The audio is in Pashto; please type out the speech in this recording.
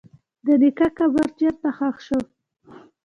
د نیکه قبر څنګ ته ښخ شو.